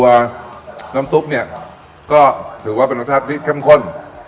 ตัวน้ำซุปเนี่ยก็ถือว่าเป็นรสชาติที่เข้มข้น